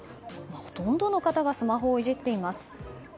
ほとんどの方がスマホをいじっています。